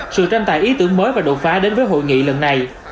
sự tranh tài ý tưởng mới và đột phá đến với hội nghị lần này